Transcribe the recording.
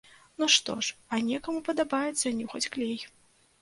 Ну што ж, а некаму падабаецца нюхаць клей.